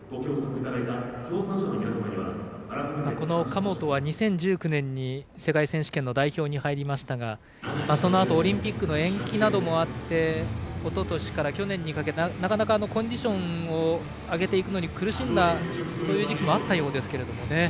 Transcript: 神本は２０１９年に世界選手権の代表に入りましたがそのあとオリンピックの延期などもあっておととしから去年にかけてなかなかコンディションを上げていくのに苦しんだ時期もあったそうですが。